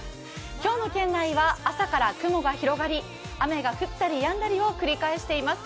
今日の県内は朝から雲が広がり、雨が降ったりやんだりを繰り返しています。